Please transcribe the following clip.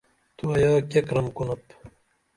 تو ایا کیہ کرم کُنپ؟